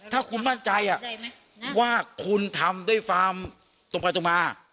ถ้าคุณมั่นใจว่าคุณทำด้วยความตรงไปตรงมา